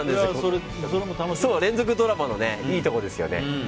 連続ドラマのいいところですね。